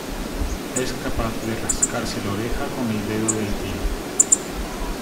Es capaz de rascarse la oreja con el dedo del pie.